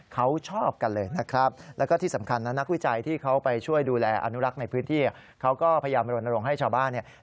เขาชอบกันเลยนะครับ